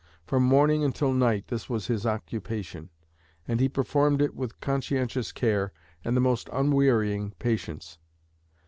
From morning until night this was his occupation; and he performed it with conscientious care and the most unwearying patience."